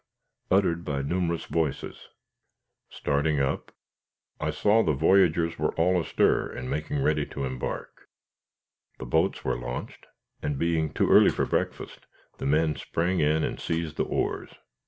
uttered by numerous voices. Arouse, or get up. Starting up, I saw the voyageurs were all astir, and making ready to embark. The boats were launched, and being too early for breakfast, the men sprang in and seized the oars.